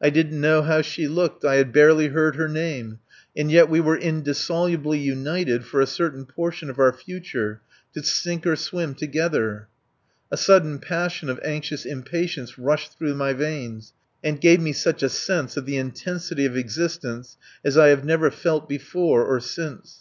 I didn't know how she looked, I had barely heard her name, and yet we were indissolubly united for a certain portion of our future, to sink or swim together! A sudden passion of anxious impatience rushed through my veins, gave me such a sense of the intensity of existence as I have never felt before or since.